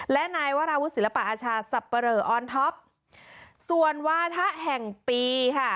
และนายวราวุศิลปะอาชาสับปะเหลออนท็อปส่วนวาถะแห่งปีค่ะ